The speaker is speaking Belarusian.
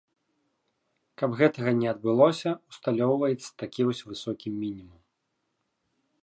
Каб гэтага не адбылося, усталёўваецца такі вось высокі мінімум.